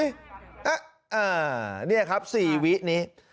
เอ่อเนี่ยครับ๔วินี้